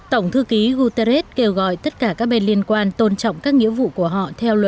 tổng thư ký guterres kêu gọi tất cả các bên liên quan tôn trọng các nghĩa vụ của họ